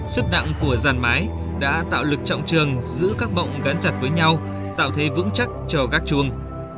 sức nặng của dàn mái đã tạo lực trọng trường giữ các mộng gắn chặt với nhau tạo thế vững chắc cho gác chuông